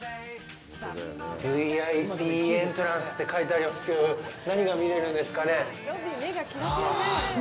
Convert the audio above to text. ＶＩＰエントランスって書いてありますけど、何が見れるんですかね。